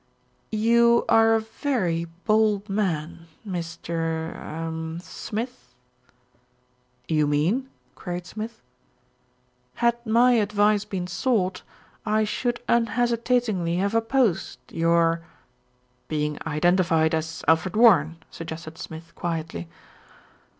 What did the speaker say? "You are a very bold man, Mr. er Smith." "You mean?" queried Smith. "Had my advice been sought, I should unhesitatingly have opposed your " "Being identified as Alfred Warren," suggested Smith quietly.